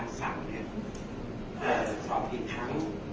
แต่ว่าไม่มีปรากฏว่าถ้าเกิดคนให้ยาที่๓๑